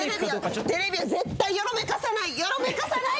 テレビは絶対よろめかさない！